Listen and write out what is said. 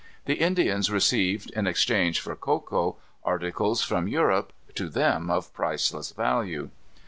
The Indians received, in exchange for cocoa, articles from Europe, to them of priceless value.